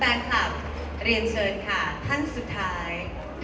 แฟนคลับเรียนเชิญค่ะท่านสุดท้าย